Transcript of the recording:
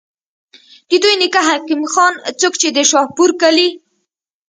د دوي نيکۀ حکيم خان، څوک چې د شاهپور کلي